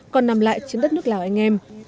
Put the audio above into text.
còn nằm lại trên đất nước lào anh em